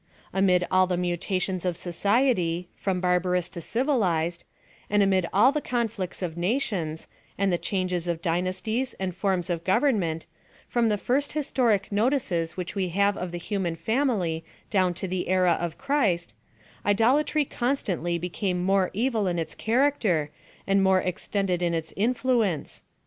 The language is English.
Amid all the mutations of society, from barbarous to civilized; and amid all the conflicts of nations, and the changes of dynas ties and forms of government, from the first historic notices which we have of the human family down to the era of Christ, idolatry constantly became more evil in its character and more extended in its influ ence.